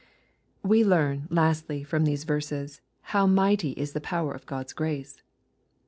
We learn, lastly, from these verses, how mighty is the power of God's grace..